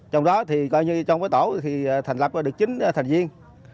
trong đó thì coi như trong cái tổ thì thành lập được chín thành viên